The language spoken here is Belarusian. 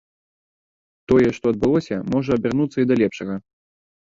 Тое, што адбылося, можа абярнуцца і да лепшага.